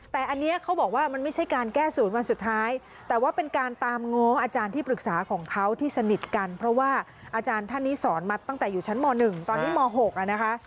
แต่อันนี้เขาบอกว่ามันไม่ใช่การแก้ศูนย์วันสุดท้ายแต่ว่าเป็นการตามง้ออาจารย์ที่ปรึกษาของเขาที่สนิทกันเพราะว่าอาจารย์ท่านนี้สอนมาตั้งแต่อยู่ชั้นม๑ตอนนี้ม๖นะคะ